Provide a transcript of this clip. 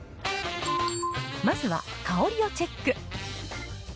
まずは香りをチェック。